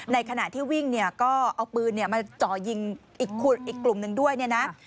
ในขณะที่วิ่งเนี่ยก็เอาปืนมาจ่อยิงอีกกลุ่มหนึ่งด้วยเนี่ยนะ